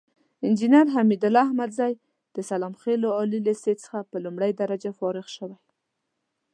انجينر حميدالله احمدزى د سلام خيلو عالي ليسې څخه په لومړۍ درجه فارغ شوى.